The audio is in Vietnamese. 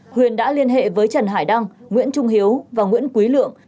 huyền đã liên hệ với trần hải đăng nguyễn trung hiếu và nguyễn quý lượng